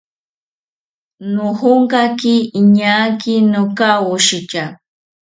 Nojonkaki iñaaki nokawoshitya